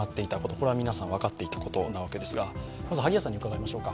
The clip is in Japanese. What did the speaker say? これは皆さん分かっていたことなわけですが、まずは萩谷さんに伺いましょうか。